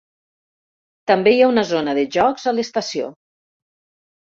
També hi ha una zona de jocs a l'estació.